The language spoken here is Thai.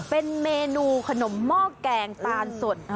เป็นเมนูขนมหม้อแกงตาลสด